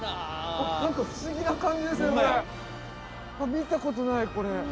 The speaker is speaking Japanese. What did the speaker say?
見たことないこれ。